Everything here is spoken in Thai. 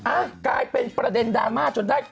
อ่ะกลายเป็นประเด็นดราม่าจนได้